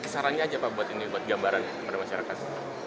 sarannya aja pak buat ini buat gambaran kepada masyarakat